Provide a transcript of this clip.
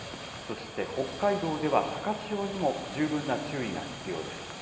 そして北海道では、高潮にも十分な注意が必要です。